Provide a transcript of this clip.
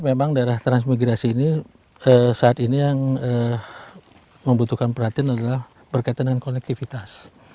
memang daerah transmigrasi ini saat ini yang membutuhkan perhatian adalah berkaitan dengan konektivitas